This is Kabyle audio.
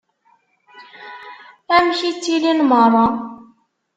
Amek i ttilin meṛṛa?